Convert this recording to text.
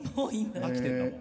飽きてんだもん。